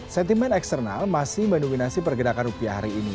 sentimen eksternal masih mendominasi pergerakan rupiah hari ini